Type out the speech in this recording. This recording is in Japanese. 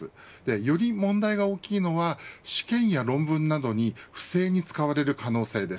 より問題が大きいのは試験や論文などに不正に使われる可能性です。